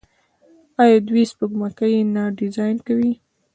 آیا دوی سپوږمکۍ نه ډیزاین کوي؟